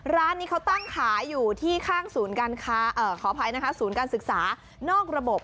ร้านนี้เขาตั้งขาอยู่ที่ข้างศูนย์การศึกษานอกระบบ